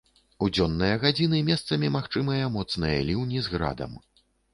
У дзённыя гадзіны месцамі магчымыя моцныя ліўні з градам.